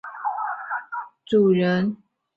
推测该坟的主人可能就是伊瓦尔。